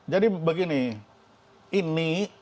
jadi begini ini